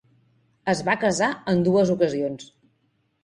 Es va casar en dues ocasions.